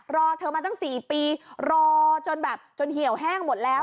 ก็ฉันรอเธอมาตั้ง๔ปีรอจนเหี่ยวแห้งหมดแล้ว